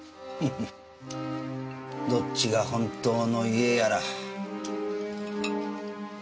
どっちが本当の家やら。